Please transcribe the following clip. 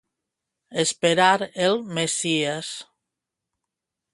Esperar el messies.